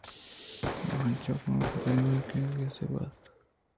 آ انچوش گنوک ءُدیوانگ اَت کہ گیساءَ وہدے زہگاں کلاس ءَ وانینت گُڑا آ ہم چکانی توک ءَ نشت